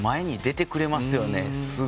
前に出てくれますよね。